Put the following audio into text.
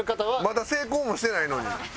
まだ成功もしてないのに。